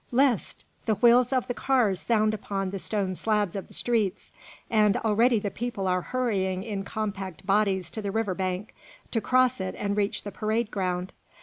List! The wheels of the cars sound upon the stone slabs of the streets, and already the people are hurrying in compact bodies to the river bank, to cross it and reach the parade ground.